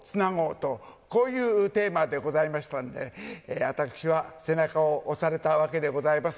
と、こういうテーマでございましたんで、私は背中を押されたわけでございます。